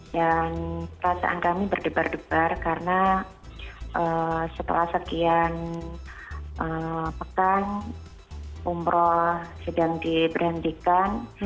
dan perasaan kami berdebar debar karena setelah sekian petang umroh sedang diberhentikan